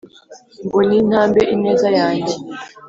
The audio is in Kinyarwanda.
ngo nintambe ineza, yange